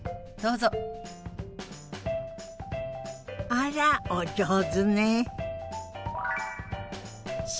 あらお上手ね。